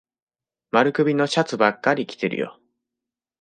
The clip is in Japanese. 丸首のシャツばっかり着てるよ。